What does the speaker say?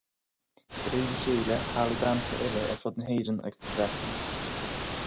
De réir a chéile, hallaí damhsa eile ar fud na hÉireann agus na Breataine.